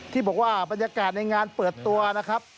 ที่บอกว่าบรรยากาศในงานเปิดตัวนะครับ